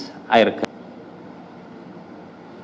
apa apa senjata yang dipergunakan untuk pencernaan tidur terbanas